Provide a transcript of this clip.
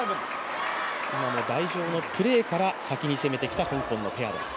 台上のプレーから先に攻めてきた香港のペアです。